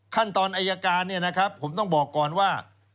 ขั้นตอนอายการเนี่ยนะครับผมต้องบอกก่อนว่า